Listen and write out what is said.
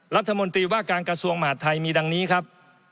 รัฐมนตรีว่าการกระทรวงมหาดไทยมีดังนี้ครับ